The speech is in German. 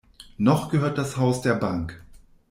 Noch gehört das Haus der Bank.